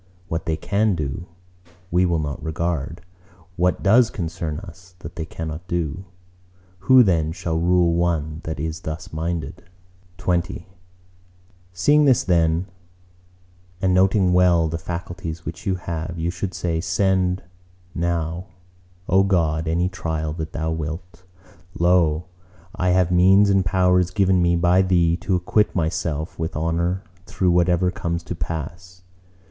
What they can do, we will not regard: what does concern us, that they cannot do. Who then shall rule one that is thus minded? XX Seeing this then, and noting well the faculties which you have, you should say,—"Send now, O God, any trial that Thou wilt; lo, I have means and powers given me by Thee to acquit myself with honour through whatever comes to pass!"